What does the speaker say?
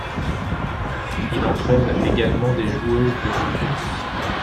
Il entraîne également des joueuses de son pays.